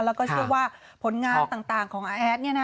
แล้วก็เชื่อว่าผลงานต่างของอาแอด